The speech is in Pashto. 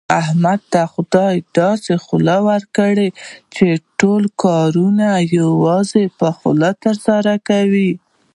احمد ته خدای داسې خوله ورکړې، چې ټول کارونه یوازې په خوله ترسره کوي.